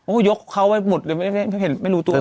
โอ้ยกเขาไว้หมดไม่รู้ตัวเคย